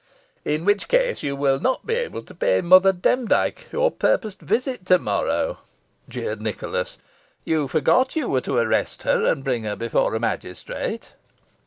"In which case you will not be able to pay Mother Demdike your purposed visit to morrow," jeered Nicholas. "You forgot you were to arrest her, and bring her before a magistrate."